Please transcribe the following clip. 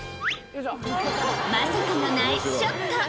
まさかのナイスショット。